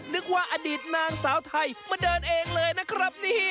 นึกว่าอดีตนางสาวไทยมาเดินเองเลยนะครับนี่